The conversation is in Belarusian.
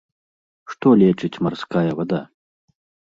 Што лечыць марская вада?